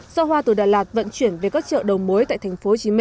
do hoa từ đà lạt vận chuyển về các trợ đồng mối tại tp hcm